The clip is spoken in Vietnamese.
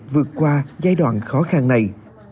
vượt qua giai đoạn khó khăn này